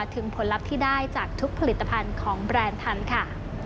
ผลลัพธ์ที่ได้จากทุกผลิตภัณฑ์ของแบรนด์ทันค่ะ